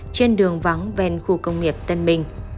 trên đường vắng ven khu công nghiệp tân minh